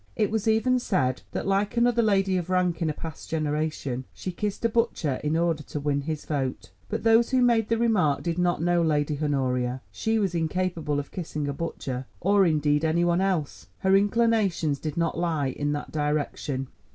It was even said that, like another lady of rank in a past generation, she kissed a butcher in order to win his vote. But those who made the remark did not know Lady Honoria; she was incapable of kissing a butcher, or indeed anybody else. Her inclinations did not lie in that direction.